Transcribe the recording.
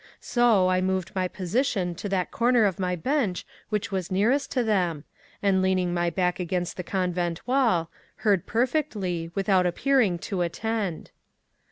So, I moved my position to that corner of my bench which was nearest to them, and leaning my back against the convent wall, heard perfectly, without appearing to attend.